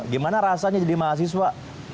gimana rasanya jadi mahasiswa